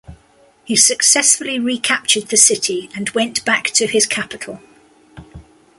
He successfully recaptured the city and went back to his capital.